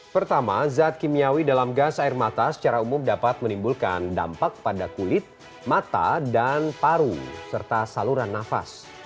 pertama zat kimiawi dalam gas air mata secara umum dapat menimbulkan dampak pada kulit mata dan paru serta saluran nafas